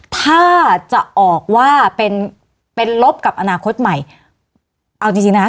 ถ้าจะออกว่าเป็นเป็นลบกับอนาคตใหม่เอาจริงจริงนะคะ